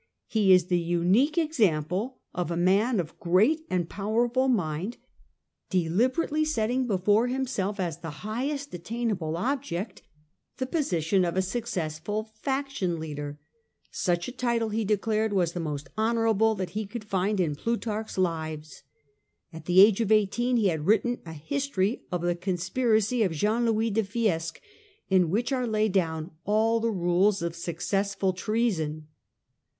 He is the unique example of a man of great and powerful mind deliberately setting before himself as Che highest attainable object the position of a successful faction leader. Such a title, he declared, was the most honourable that he could find in * Plutarch's Lives.* At the age of eighteen he had written a history of the con spiracy of Jean Louis de Fiesque, in which are laid down all the rules of successful treason.